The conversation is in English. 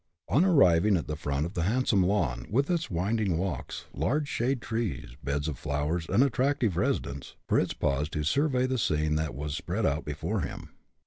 On arriving at the front of the handsome lawn, with its winding walks, large shade trees, beds of flowers, and attractive residence, Fritz paused to survey the scene that was spread out before him.